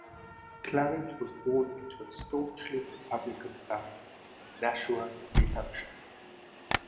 Clarridge was born into a "staunchly Republican family" in Nashua, New Hampshire.